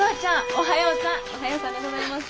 おはようさんでございます。